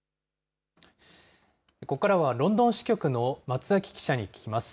ここからはロンドン支局の松崎記者に聞きます。